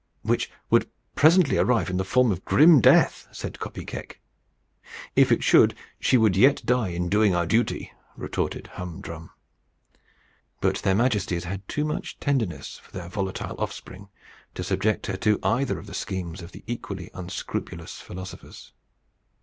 "Which would presently arrive in the form of grim death," said Kopy Keck. "If it should, she would yet die in doing our duty," retorted Hum Drum. But their Majesties had too much tenderness for their volatile offspring to subject her to either of the schemes of the equally unscrupulous philosophers.